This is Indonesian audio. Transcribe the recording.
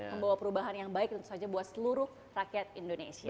membawa perubahan yang baik tentu saja buat seluruh rakyat indonesia